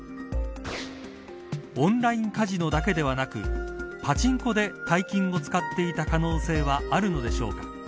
オンラインカジノだけではなくパチンコで大金を使っていた可能性はあるのでしょうか。